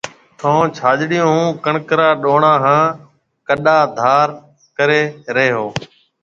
ٿَي ڇاجڙي هون ڪڻڪ را ڏونڻا هان ڪَڏآ ڌار ڪري رئي هو۔